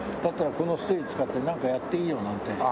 だったらこのステージ使ってなんかやっていいよなんて。